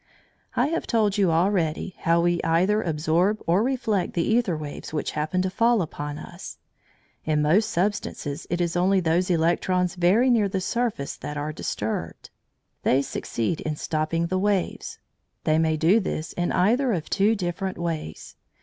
I have told you already how we either absorb or reflect the æther waves which happen to fall upon us. In most substances it is only those electrons very near the surface that are disturbed. They succeed in stopping the waves. They may do this in either of two different ways.